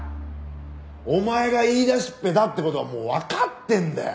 お前が言いだしっぺだって事はもうわかってんだよ！